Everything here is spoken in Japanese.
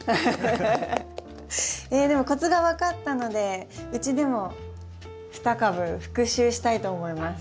でもコツが分かったのでうちでも２株復習したいと思います。